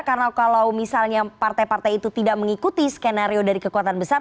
karena kalau misalnya partai partai itu tidak mengikuti skenario dari kekuatan besar